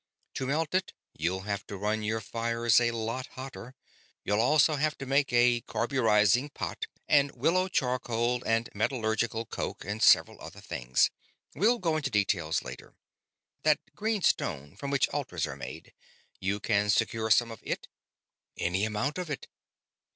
To melt it you'll have to run your fires a lot hotter. You'll also have to have a carburizing pot and willow charcoal and metallurgical coke and several other things. We'll go into details later. That green stone from which altars are made you can secure some of it?" "Any amount of it."